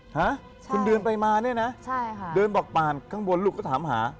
ฮะคุณเดือนไปมาเนี่ยนะเดือนบอกป่านข้างบนลูกก็ถามหา